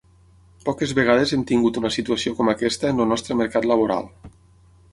Poques vegades hem tingut una situació com aquesta en el nostre mercat laboral.